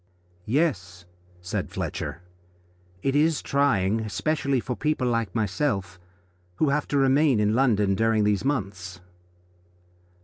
"Yes," said Fletcher, "it is trying, especially for people like myself, who have to remain in London during these months."